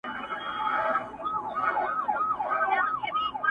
نه د خوشحال، نه د اکبر له توري وشرمېدل!!